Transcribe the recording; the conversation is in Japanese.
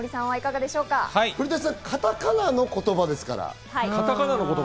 古舘さん、カタカナの言葉ですから。